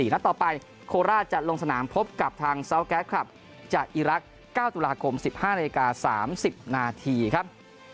นัดต่อไปโคราชจะลงสนามพบกับทางซาวแก๊สคลับจากอีรักษ์๙ตุลาคม๑๕นาฬิกา๓๐นาทีครับ